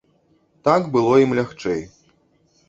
Так было ім лягчэй.